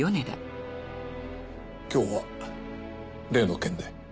今日は例の件で？